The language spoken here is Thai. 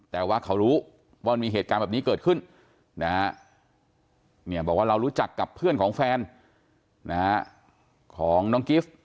แต่ว่าเขารู้ว่ามีเหตุการณ์แบบนี้เกิดขึ้นบอกว่าเรารู้จักกับเพื่อนของแฟนของน้องกิฟต์